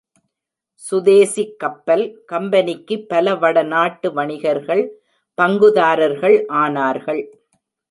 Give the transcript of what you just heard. சுதேசிக் கப்பல் கம்பெனிக்கு பல வட நாட்டு வணிகர்கள் பங்குதாரர்கள் ஆனார்கள்.